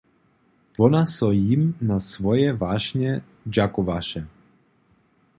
Wona so jim na swoje wašnje dźakowaše.